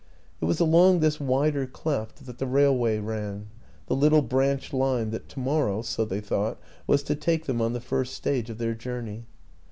It was along this wider cleft that the railway ran, the little branch line that to morrow (so they thought) was to take them on the first stage of their journey.